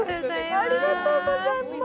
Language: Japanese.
ありがとうございます。